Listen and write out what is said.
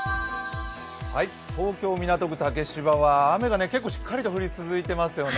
東京・港区竹芝は雨が結構しっかりと降り続いていますよね。